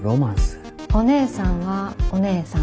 お姉さんはお姉さん。